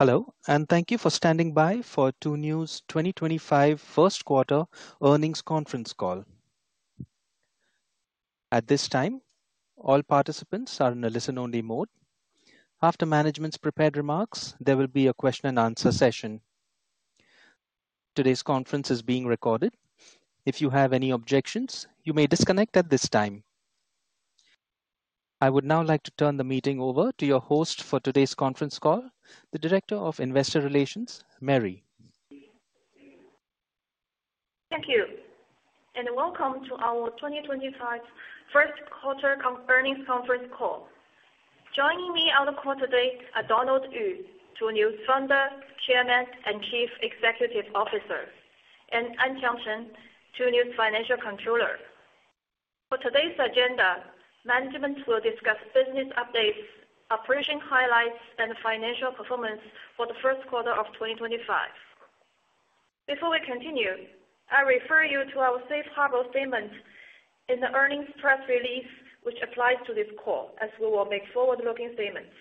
Hello, and thank you for standing by for Tuniu's 2025 First Quarter Earnings Conference call. At this time, all participants are in a listen-only mode. After management's prepared remarks, there will be a question-and-answer session. Today's conference is being recorded. If you have any objections, you may disconnect at this time. I would now like to turn the meeting over to your host for today's conference call, the Director of Investor Relations, Mary. Thank you, and welcome to our 2025 First Quarter Earnings Conference call. Joining me on the call today are Donald Yu, Tuniu's founder, chairman, and chief executive officer, and Anqiang Chen, Tuniu's financial controller. For today's agenda, management will discuss business updates, operation highlights, and financial performance for the first quarter of 2025. Before we continue, I refer you to our safe harbor statement in the earnings press release, which applies to this call, as we will make forward-looking statements.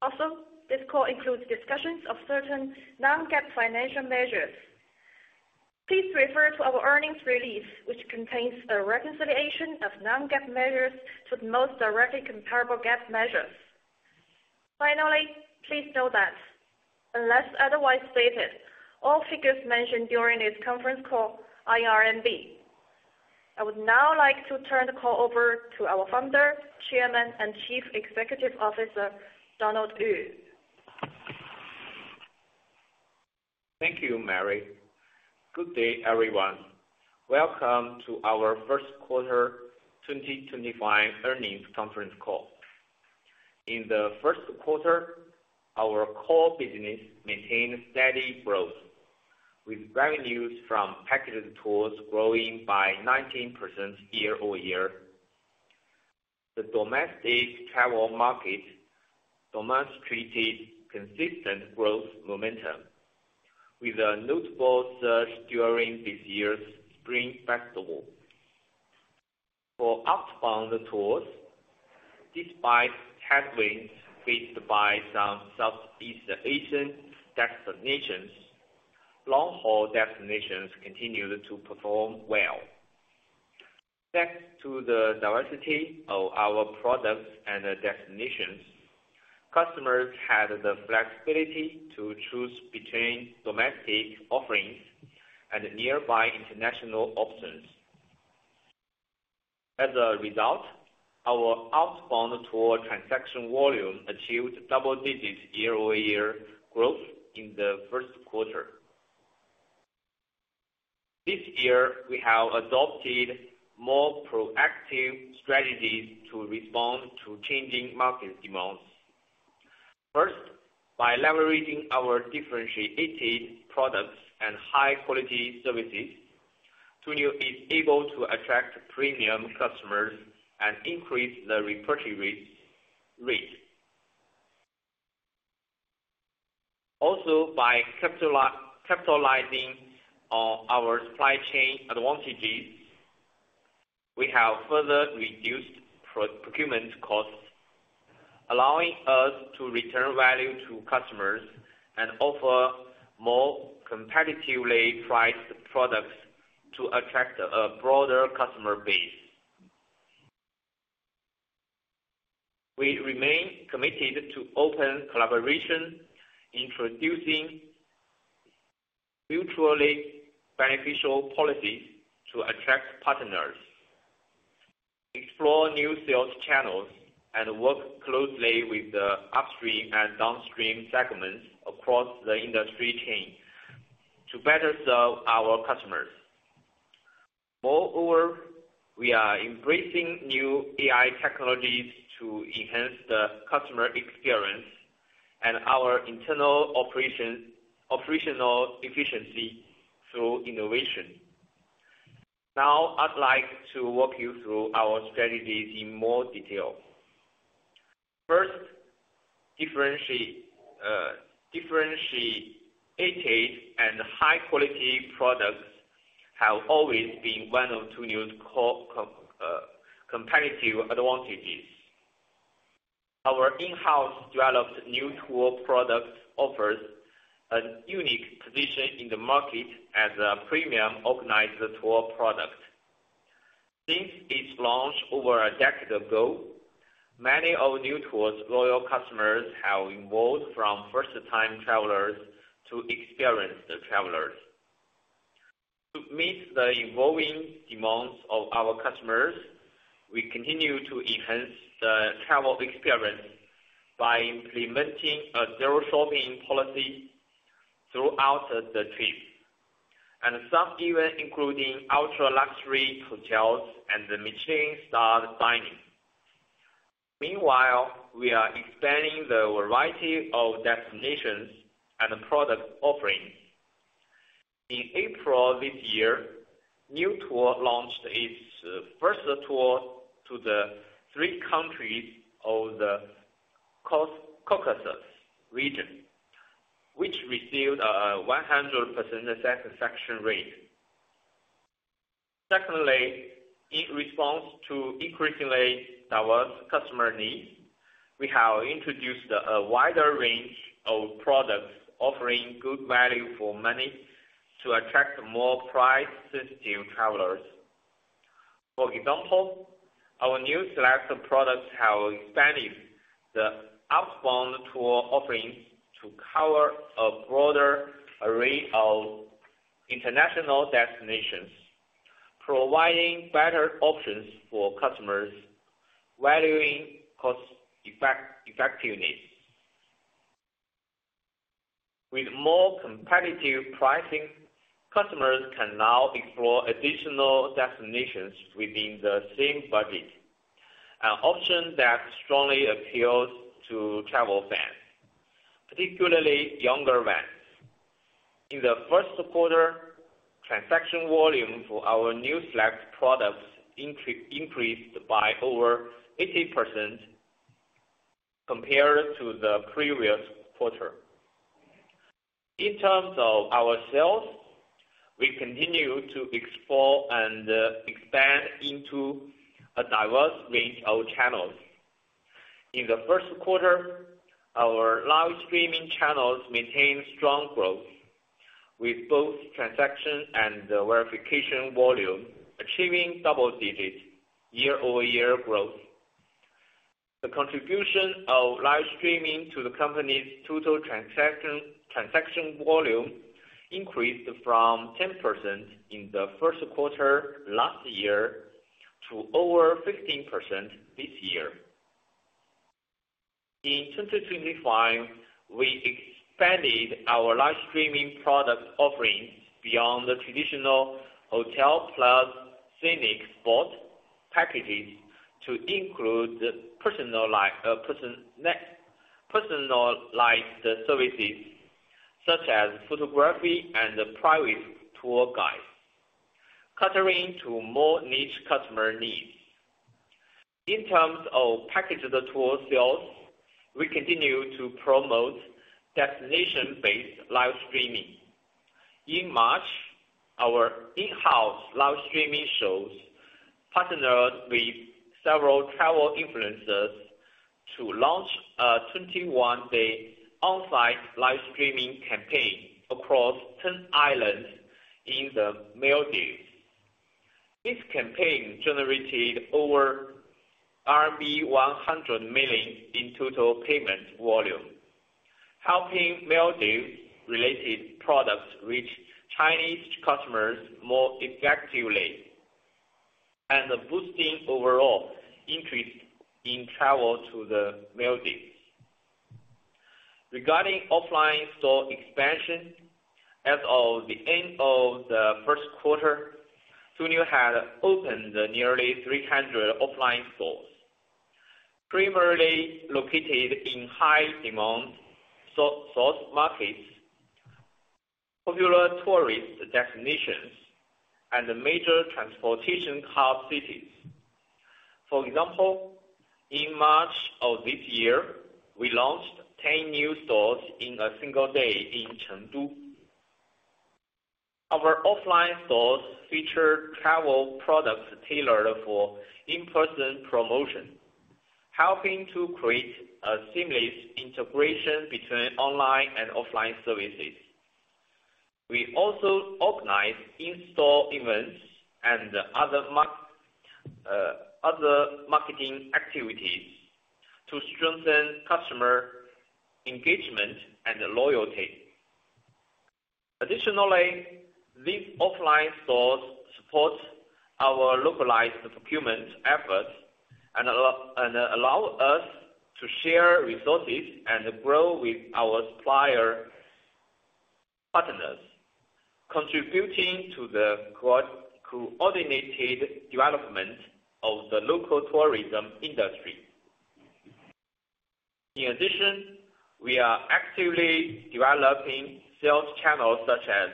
Also, this call includes discussions of certain non-GAAP financial measures. Please refer to our earnings release, which contains a reconciliation of non-GAAP measures to the most directly comparable GAAP measures. Finally, please know that, unless otherwise stated, all figures mentioned during this conference call are in RMB. I would now like to turn the call over to our founder, chairman, and chief executive officer, Donald Yu. Thank you, Mary. Good day, everyone. Welcome to our First Quarter 2025 Earnings Conference call. In the first quarter, our core business maintained steady growth, with revenues from packaged tours growing by 19% year-over-year. The domestic travel market demonstrated consistent growth momentum, with a notable surge during this year's Spring Festival. For outbound tours, despite headwinds faced by some Southeast Asian destinations, long-haul destinations continued to perform well. Thanks to the diversity of our products and destinations, customers had the flexibility to choose between domestic offerings and nearby international options. As a result, our outbound tour transaction volume achieved double-digit year-over-year growth in the first quarter. This year, we have adopted more proactive strategies to respond to changing market demands. First, by leveraging our differentiated products and high-quality services, Tuniu is able to attract premium customers and increase the reporting rate. Also, by capitalizing on our supply chain advantages, we have further reduced procurement costs, allowing us to return value to customers and offer more competitively priced products to attract a broader customer base. We remain committed to open collaboration, introducing mutually beneficial policies to attract partners, explore new sales channels, and work closely with the upstream and downstream segments across the industry chain to better serve our customers. Moreover, we are embracing new AI technologies to enhance the customer experience and our internal operational efficiency through innovation. Now, I'd like to walk you through our strategies in more detail. First, differentiated and high-quality products have always been one of Tuniu's competitive advantages. Our in-house developed Niu Tour product offers a unique position in the market as a premium organized tour product. Since its launch over a decade ago, many of Niu Tour's loyal customers have evolved from first-time travelers to experienced travelers. To meet the evolving demands of our customers, we continue to enhance the travel experience by implementing a zero-shopping policy throughout the trip, and some even including ultra-luxury hotels and Michelin-starred dining. Meanwhile, we are expanding the variety of destinations and product offerings. In April this year, Niu Tour launched its first tour to the three countries of the Caucasus region, which received a 100% satisfaction rate. Secondly, in response to increasingly diverse customer needs, we have introduced a wider range of products offering good value for money to attract more price-sensitive travelers. For example, our New Select products have expanded the outbound tour offerings to cover a broader array of international destinations, providing better options for customers valuing cost-effectiveness. With more competitive pricing, customers can now explore additional destinations within the same budget, an option that strongly appeals to travel fans, particularly younger fans. In the first quarter, transaction volume for our Niu Select products increased by over 80% compared to the previous quarter. In terms of our sales, we continue to explore and expand into a diverse range of channels. In the first quarter, our live streaming channels maintained strong growth, with both transaction and verification volume achieving double-digit year-over-year growth. The contribution of live streaming to the company's total transaction volume increased from 10% in the first quarter last year to over 15% this year. In 2025, we expanded our live streaming product offerings beyond the traditional hotel plus scenic spot packages to include personalized services such as photography and private tour guides, catering to more niche customer needs. In terms of packaged tour sales, we continue to promote destination-based live streaming. In March, our in-house live streaming shows partnered with several travel influencers to launch a 21-day onsite live streaming campaign across 10 islands in the Maldives. This campaign generated over RMB 100 million in total payment volume, helping Maldives-related products reach Chinese customers more effectively and boosting overall interest in travel to the Maldives. Regarding offline store expansion, as of the end of the first quarter, Tuniu had opened nearly 300 offline stores, primarily located in high-demand source markets, popular tourist destinations, and major transportation hub cities. For example, in March of this year, we launched 10 new stores in a single day in Chengdu. Our offline stores featured travel products tailored for in-person promotion, helping to create a seamless integration between online and offline services. We also organized in-store events and other marketing activities to strengthen customer engagement and loyalty. Additionally, these offline stores support our localized procurement efforts and allow us to share resources and grow with our supplier partners, contributing to the coordinated development of the local tourism industry. In addition, we are actively developing sales channels such as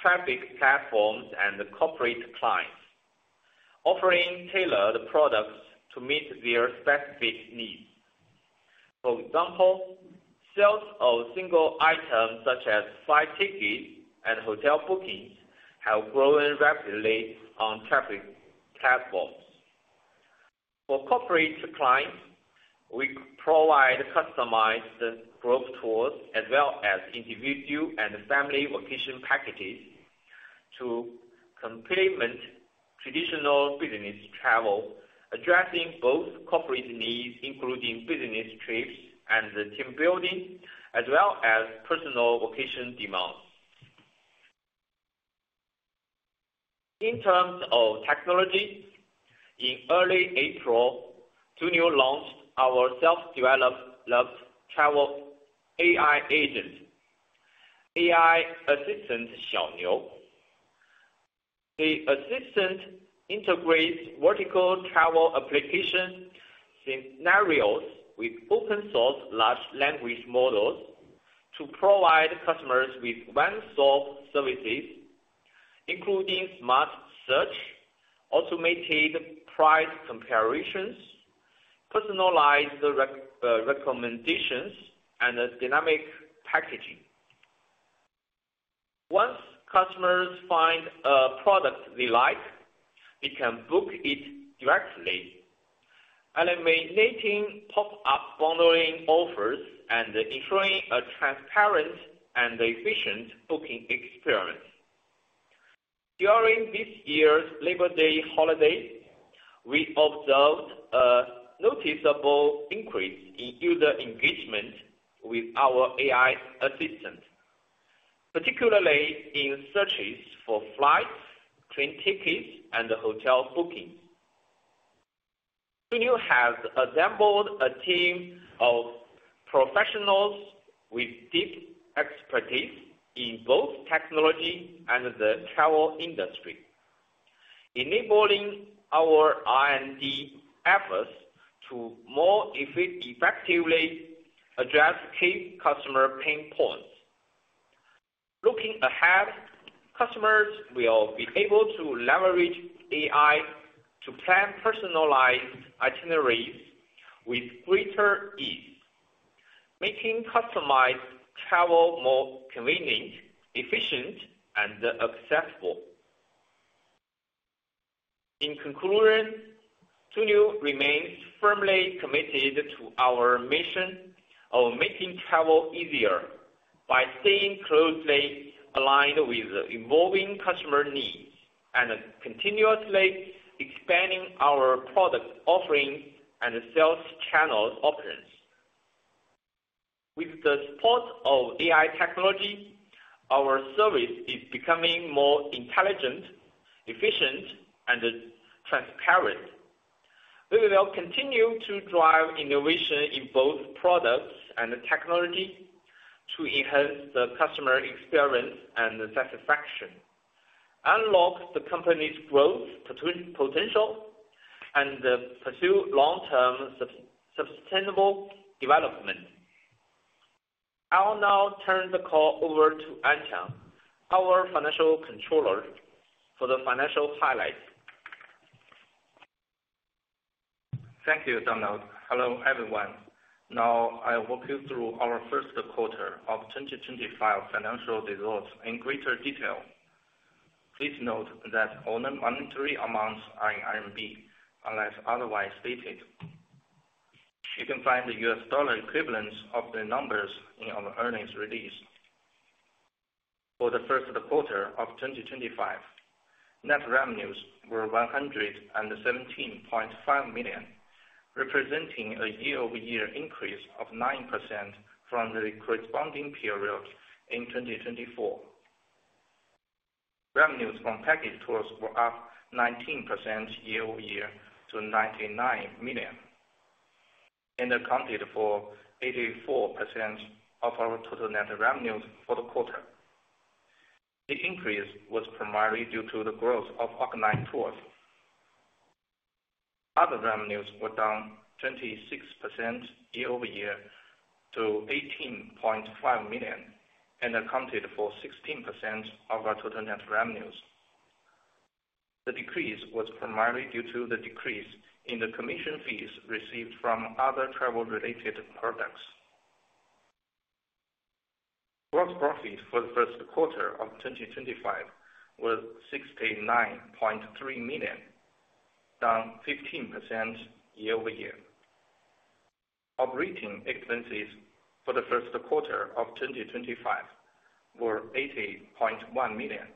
traffic platforms and corporate clients, offering tailored products to meet their specific needs. For example, sales of single items such as flight tickets and hotel bookings have grown rapidly on traffic platforms. For corporate clients, we provide customized group tours as well as individual and family vacation packages to complement traditional business travel, addressing both corporate needs, including business trips and team building, as well as personal vacation demands. In terms of technology, in early April, Tuniu launched our self-developed travel AI agent, AI assistant Xiao Niu. The assistant integrates vertical travel application scenarios with open-source large language models to provide customers with one-stop services, including smart search, automated price comparisons, personalized recommendations, and dynamic packaging. Once customers find a product they like, they can book it directly, eliminating pop-up bundling offers and ensuring a transparent and efficient booking experience. During this year's Labor Day holiday, we observed a noticeable increase in user engagement with our AI assistant, particularly in searches for flights, train tickets, and hotel bookings. Tuniu has assembled a team of professionals with deep expertise in both technology and the travel industry, enabling our R&D efforts to more effectively address key customer pain points. Looking ahead, customers will be able to leverage AI to plan personalized itineraries with greater ease, making customized travel more convenient, efficient, and accessible. In conclusion, Tuniu remains firmly committed to our mission of making travel easier by staying closely aligned with evolving customer needs and continuously expanding our product offerings and sales channel options. With the support of AI technology, our service is becoming more intelligent, efficient, and transparent. We will continue to drive innovation in both products and technology to enhance the customer experience and satisfaction, unlock the company's growth potential, and pursue long-term sustainable development. I'll now turn the call over to Anqiang, our Financial Controller, for the financial highlights. Thank you, Donald. Hello, everyone. Now, I'll walk you through our first quarter of 2025 financial results in greater detail. Please note that only monetary amounts are in RMB unless otherwise stated. You can find the US dollar equivalents of the numbers in our earnings release. For the first quarter of 2025, net revenues were 117.5 million, representing a year-over-year increase of 9% from the corresponding period in 2024. Revenues from packaged tours were up 19% year-over-year to 99 million, and accounted for 84% of our total net revenues for the quarter. The increase was primarily due to the growth of organized tours. Other revenues were down 26% year-over-year to 18.5 million, and accounted for 16% of our total net revenues. The decrease was primarily due to the decrease in the commission fees received from other travel-related products. Gross profit for the first quarter of 2025 was 69.3 million, down 15% year-over-year. Operating expenses for the first quarter of 2025 were 80.1 million,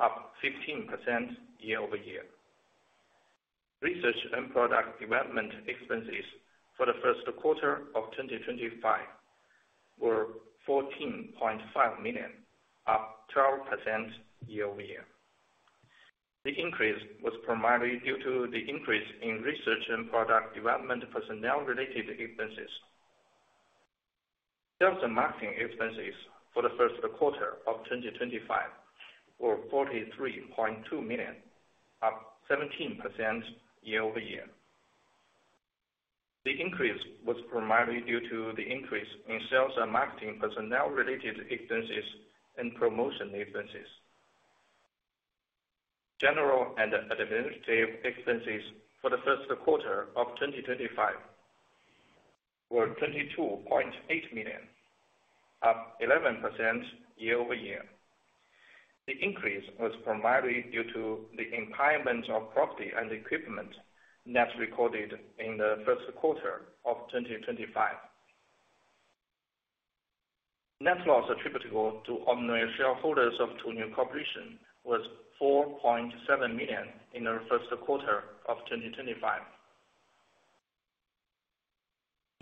up 15% year-over-year. Research and product development expenses for the first quarter of 2025 were 14.5 million, up 12% year-over-year. The increase was primarily due to the increase in research and product development personnel-related expenses. Sales and marketing expenses for the first quarter of 2025 were 43.2 million, up 17% year-over-year. The increase was primarily due to the increase in sales and marketing personnel-related expenses and promotion expenses. General and administrative expenses for the first quarter of 2025 were 22.8 million, up 11% year-over-year. The increase was primarily due to the impairment of property and equipment, net recorded in the first quarter of 2025. Net loss attributable to ordinary shareholders of Tuniu Corporation was 4.7 million in the first quarter of 2025.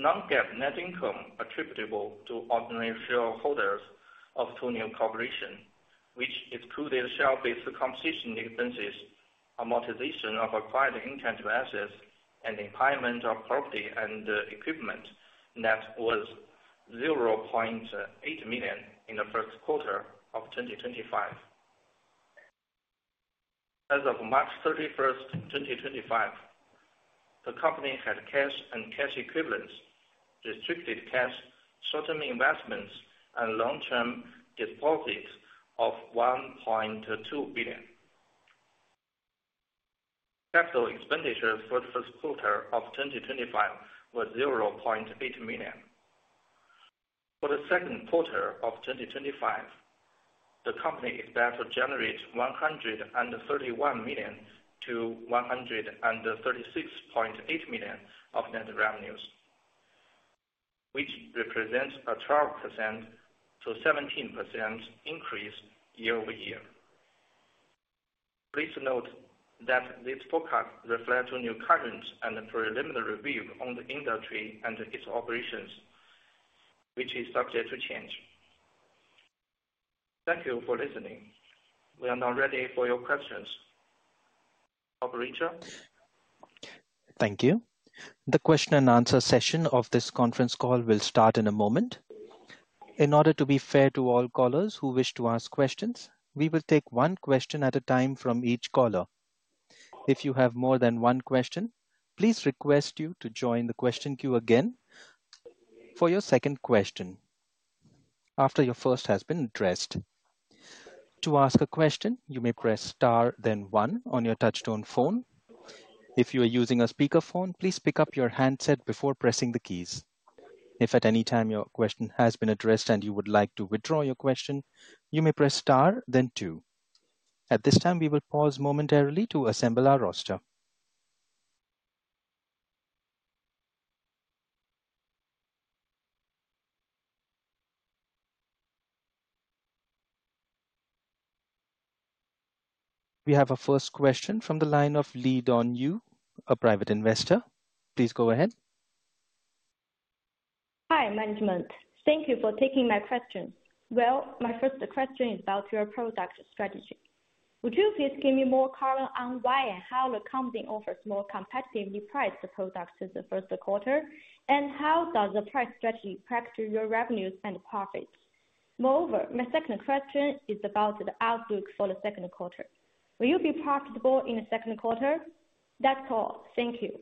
Non-GAAP net income attributable to ordinary shareholders of Tuniu Corporation, which excluded share-based compensation expenses, amortization of acquired intangible assets, and impairment of property and equipment, net was 0.8 million in the first quarter of 2025. As of March 31st, 2025, the company had cash and cash equivalents, restricted cash, short-term investments, and long-term deposits of RMB 1.2 billion. Capital expenditure for the first quarter of 2025 was 0.8 million. For the second quarter of 2025, the company is set to generate 131 million-136.8 million of net revenues, which represents a 12%-17% increase year-over-year. Please note that this forecast reflects Tuniu's current and preliminary view on the industry and its operations, which is subject to change. Thank you for listening. We are now ready for your questions. Operator. Thank you. The question-and-answer session of this conference call will start in a moment. In order to be fair to all callers who wish to ask questions, we will take one question at a time from each caller. If you have more than one question, please request you to join the question queue again for your second question after your first has been addressed. To ask a question, you may press star, then one on your touchstone phone. If you are using a speakerphone, please pick up your handset before pressing the keys. If at any time your question has been addressed and you would like to withdraw your question, you may press star, then two. At this time, we will pause momentarily to assemble our roster. We have a first question from the line of Lee Dongyu, a private investor. Please go ahead. Hi, Management. Thank you for taking my question. My first question is about your product strategy. Would you please give me more color on why and how the company offers more competitively priced products in the first quarter, and how does the price strategy factor your revenues and profits? Moreover, my second question is about the outlook for the second quarter. Will you be profitable in the second quarter? That's all. Thank you.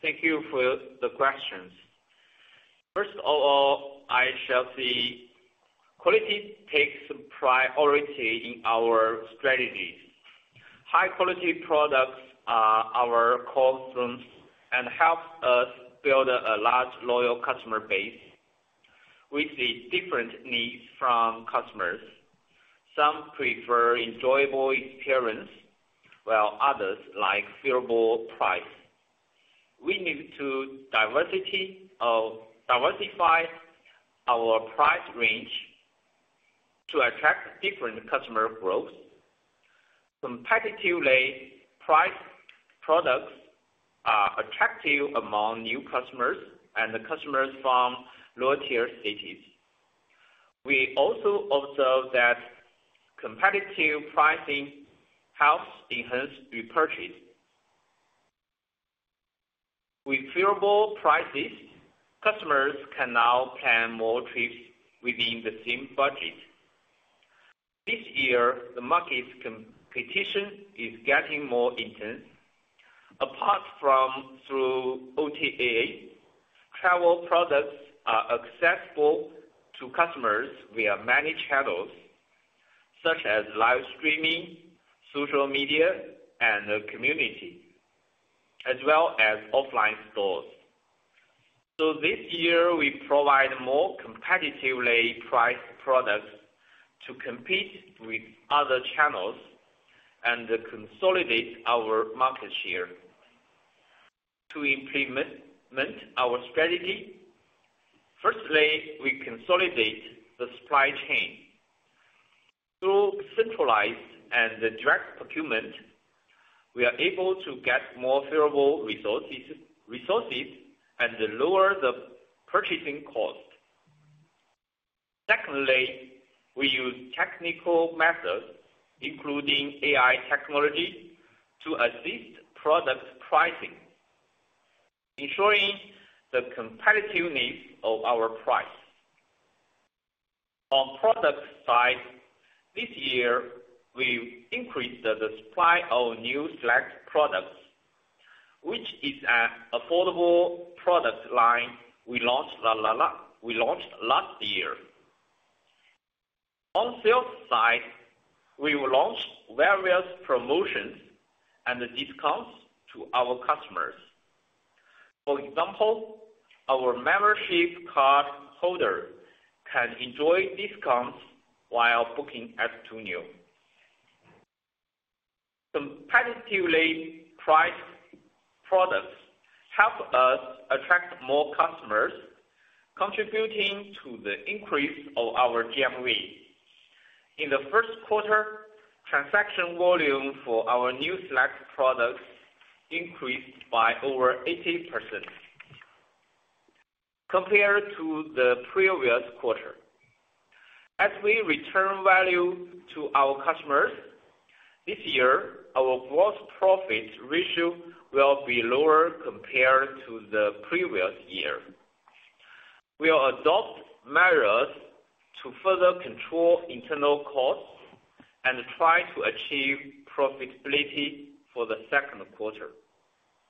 Thank you for the questions. First of all, I shall say quality takes priority in our strategies. High-quality products are our core strengths and help us build a large, loyal customer base with different needs from customers. Some prefer enjoyable experience, while others like favorable price. We need to diversify our price range to attract different customer growth. Competitively priced products are attractive among new customers and customers from lower-tier cities. We also observe that competitive pricing helps enhance repurchase. With favorable prices, customers can now plan more trips within the same budget. This year, the market competition is getting more intense. Apart from through OTA, travel products are accessible to customers via many channels, such as live streaming, social media, and the community, as well as offline stores. This year, we provide more competitively priced products to compete with other channels and consolidate our market share. To implement our strategy, firstly, we consolidate the supply chain. Through centralized and direct procurement, we are able to get more favorable resources and lower the purchasing cost. Secondly, we use technical methods, including AI technologies, to assist product pricing, ensuring the competitiveness of our price. On the product side, this year, we increased the supply of New Select products, which is an affordable product line we launched last year. On the sales side, we will launch various promotions and discounts to our customers. For example, our membership card holders can enjoy discounts while booking at Tuniu. Competitively priced products help us attract more customers, contributing to the increase of our GMV. In the first quarter, transaction volume for our New Select products increased by over 80% compared to the previous quarter. As we return value to our customers, this year, our gross profit ratio will be lower compared to the previous year. We'll adopt measures to further control internal costs and try to achieve profitability for the second quarter.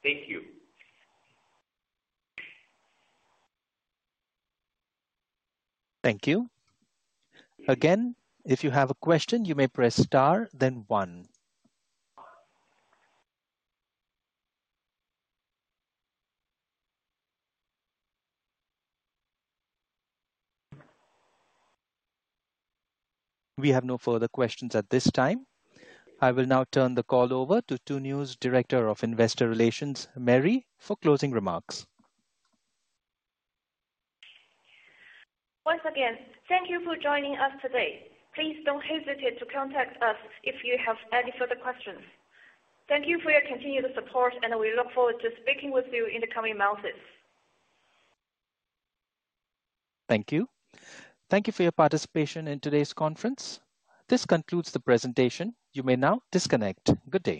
Thank you. Thank you. Again, if you have a question, you may press star, then one. We have no further questions at this time. I will now turn the call over to Tuniu's Director of Investor Relations, Mary, for closing remarks. Once again, thank you for joining us today. Please don't hesitate to contact us if you have any further questions. Thank you for your continued support, and we look forward to speaking with you in the coming months. Thank you. Thank you for your participation in today's conference. This concludes the presentation. You may now disconnect. Good day.